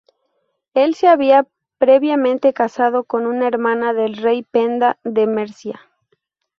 Él se había previamente casado con una hermana del rey Penda de Mercia.